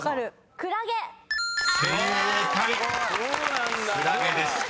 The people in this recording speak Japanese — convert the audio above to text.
「クラゲ」でした］